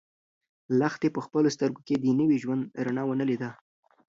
لښتې په خپلو سترګو کې د نوي ژوند رڼا ونه لیده.